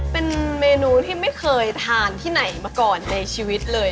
เป็นเมนูที่ไม่เคยทานที่ไหนมาก่อนในชีวิตเลย